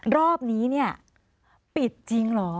รอบนี้เนี่ยปิดจริงเหรอ